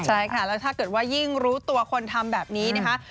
ใช่ค่ะแล้วถ้าเกิดว่ายิ่งรู้ตัวคนทำแบบนี้นะคะ